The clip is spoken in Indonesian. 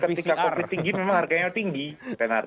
ketika covid tinggi memang harganya tinggi